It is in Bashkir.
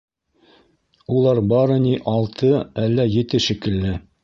Улар бары ни алты әллә ете шикелле.